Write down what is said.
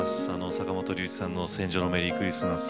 坂本龍一さんの「戦場のメリークリスマス」。